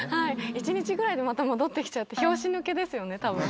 １日ぐらいでまた戻ってきちゃって、拍子抜けですよね、たぶん。